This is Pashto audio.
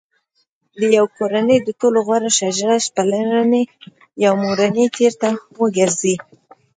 د یوې کورنۍ د ټولو غړو شجره پلرني یا مورني ټبر ته ورګرځي.